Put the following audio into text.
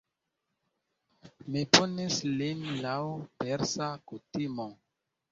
Mi punis lin laŭ Persa kutimo.